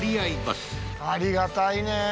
バスありがたいね